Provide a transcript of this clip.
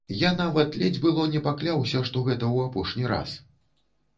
Я нават ледзь было не пакляўся, што гэта ў апошні раз.